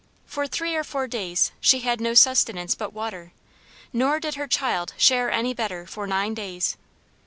For three or four days she had no sustenance but water; nor did her child share any better for nine days.